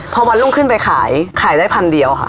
พอวันรุ่งขึ้นไปขายขายได้พันเดียวค่ะ